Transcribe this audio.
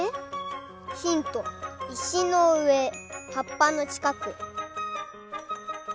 ヒントいしのうえはっぱのちかく。